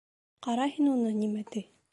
— Ҡара һин уны, нимә ти!..